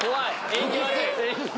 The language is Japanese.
縁起悪い。